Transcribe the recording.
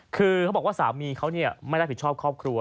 คือเขาบอกว่าสามีเขาไม่รับผิดชอบครอบครัว